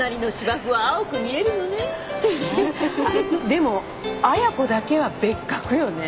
でも亜矢子だけは別格よね。